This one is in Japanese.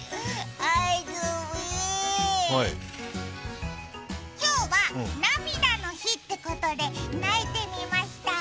あずみー、今日は涙の日ってことで、泣いてみました。